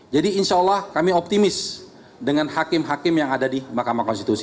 jadi insya allah kami optimis dengan wakil wakil yang ada di mahkamah konstitusi